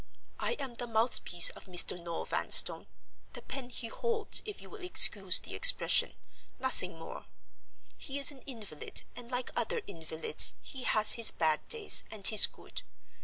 I am the mouth piece of Mr. Noel Vanstone; the pen he holds, if you will excuse the expression—nothing more. He is an invalid, and like other invalids, he has his bad days and his good.